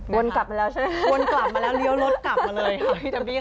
มนต์กลับมาแล้วใช่ไหมมนต์กลับมาแล้วเรียวรถกลับมาเลยค่ะพี่ดับบี้ค่ะ